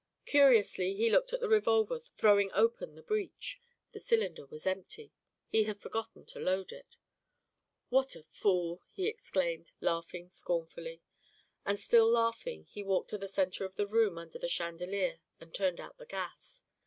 Curiously, he looked at the revolver, throwing open the breech the cylinder was empty; he had forgotten to load it. "What a fool!" he exclaimed, laughing scornfully, and still laughing he walked to the centre of the room under the chandelier and turned out the gas.